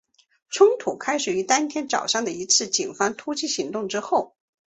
冲突开始于当天早上的一次警方突袭行动之后。